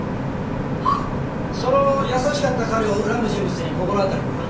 その優しかった彼を恨む人物に心当たりは？